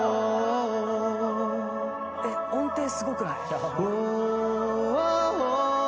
えっ音程すごくない？